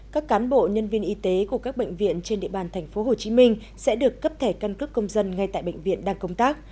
các cán bộ nhân viên y tế của các bệnh viện trên địa bàn tp hcm sẽ được cấp thẻ căn cước công dân ngay tại bệnh viện đang công tác